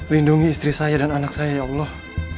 lindungi istri saya dan anak saya ya allah